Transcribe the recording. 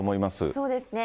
そうですね。